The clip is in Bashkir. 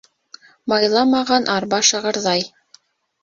Майламаған арба шығырҙай.